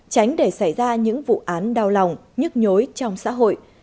tránh để xảy ra những vụ án đau lòng nhức nhối trong xã hội